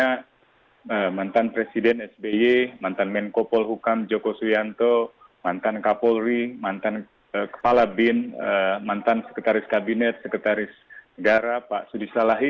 karena mantan presiden sby mantan menko polhukam joko suyanto mantan kapolri mantan kepala bin mantan sekretaris kabinet sekretaris negara pak sudi salahi